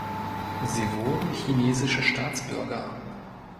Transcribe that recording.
Sie wurden chinesische Staatsbürger.